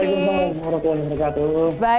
waalaikumsalam warahmatullahi wabarakatuh